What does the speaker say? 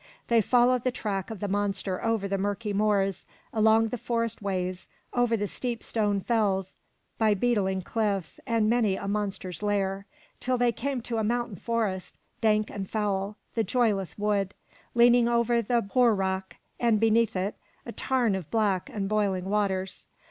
They followed the track of the monster over the murky moors, along the forest ways, over the steep stone fells, by beetling cliffs, and many a monster's lair, till they came to a mountain forest, dank and foul, the joyless wood, leaning over the hoar rock, and beneath it, a tarn of black and boiling waters.